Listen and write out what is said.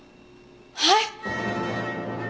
はい？